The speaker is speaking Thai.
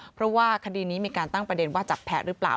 เพราะว่าคดีนี้มีการตั้งประเด็นว่าจับแพ้หรือเปล่า